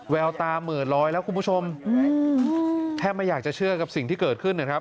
แววตาเหมือนลอยแล้วคุณผู้ชมแทบไม่อยากจะเชื่อกับสิ่งที่เกิดขึ้นนะครับ